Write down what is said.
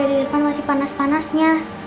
kalau udah di depan masih panas panasnya